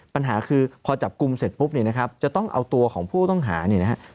ปัญหาคือพอจับกลุ่มเสร็จปุ๊บเนี่ยนะครับจะต้องเอาตัวของผู้ต้องหาเนี่ยนะครับ